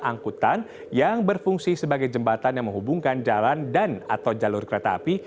angkutan yang berfungsi sebagai jembatan yang menghubungkan jalan dan atau jalur kereta api